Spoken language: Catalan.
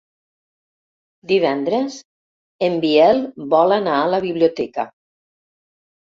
Divendres en Biel vol anar a la biblioteca.